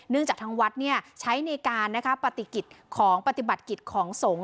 เนื่องจากทั้งวัดเนี่ยใช้ในการปฏิกิจของปฏิบัติกิจของสงฆ์